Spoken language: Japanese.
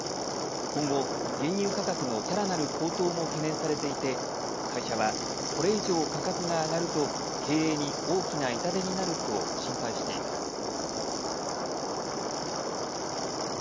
今後、原油価格のさらなる高騰も懸念されていて会社はこれ以上価格が上がると経営に大きな痛手になると心配しています。